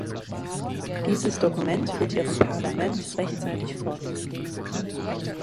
Dieses Dokument wird Ihrem Parlament rechtzeitig vorgelegt.